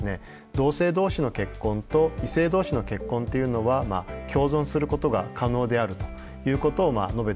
同性同士の結婚と異性同士の結婚っていうのは共存することが可能であるということをまあ述べています。